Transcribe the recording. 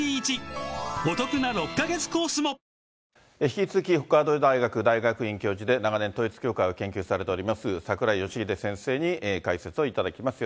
引き続き、北海道大学大学院教授で、長年、統一教会を研究されております、櫻井義秀先生に解説をいただきます。